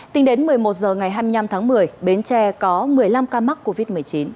tính đến một mươi một h ngày hai mươi năm tháng một mươi bến tre có một mươi năm ca mắc covid một mươi chín